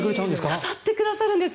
語ってくれるんです。